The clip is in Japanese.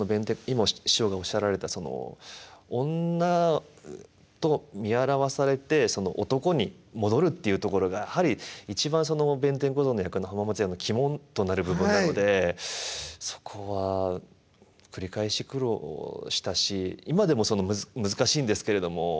今師匠がおっしゃられたその女と見あらわされて男に戻るっていうところがやはり一番弁天小僧の役の浜松屋の肝となる部分なのでそこは繰り返し苦労したし今でも難しいんですけれども。